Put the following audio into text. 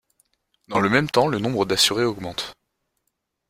Dans le même temps le nombre d'assurés augmentent.